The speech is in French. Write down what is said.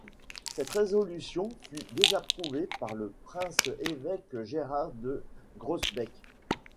Cette résolution fut désapprouvé par le prince-évêque Gérard de Groesbeeck.